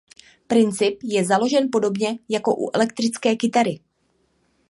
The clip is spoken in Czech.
Princip je založen podobně jako u elektrické kytary.